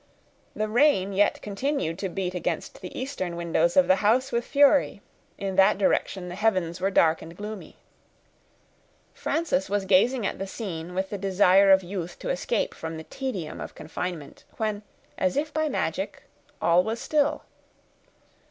The rain yet continued to beat against the eastern windows of the house with fury; in that direction the heavens were dark and gloomy. Frances was gazing at the scene with the desire of youth to escape from the tedium of confinement, when, as if by magic, all was still.